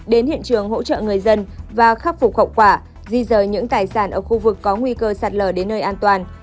đến hiện trường hỗ trợ người dân và khắc phục khẩu quả di rời những tài sản ở khu vực có nguy cơ sạt lở đến nơi an toàn